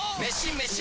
メシ！